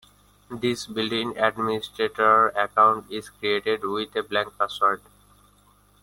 This built-in administrator account is created with a blank password.